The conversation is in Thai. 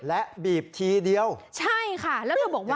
และบีบทีเดียวใช่ค่ะแล้วเธอบอกว่า